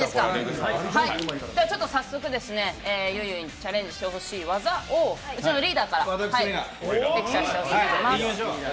早速、ゆいゆいにチャレンジしてほしい技をうちのリーダーからレクチャーしてほしいと思います。